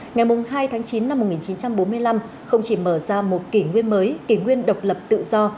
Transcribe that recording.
ngày hai tháng chín năm một nghìn chín trăm bốn mươi năm không chỉ mở ra một kỷ nguyên mới kỷ nguyên độc lập tự do